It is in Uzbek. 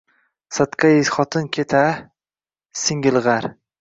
Sadqai xotin ket-a, singilg‘ar